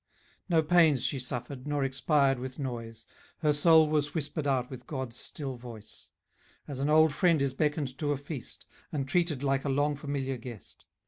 No pains she suffered, nor expired with noise; Her soul was whispered out with God's still voice; As an old friend is beckoned to a feast, And treated like a long familiar guest.